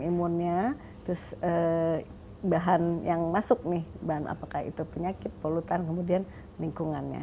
imunnya terus bahan yang masuk nih bahan apakah itu penyakit polutan kemudian lingkungannya